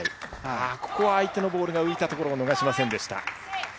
ここは相手のボールが浮いたところを逃しませんでした。